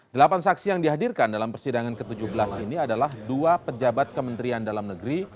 delapan saksi yang dihadirkan dalam persidangan ke tujuh belas ini adalah dua pejabat kementerian dalam negeri